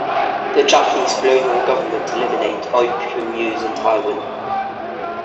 The Japanese colonial government eliminate opium use in Taiwan.